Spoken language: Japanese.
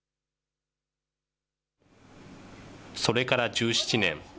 それから１７年。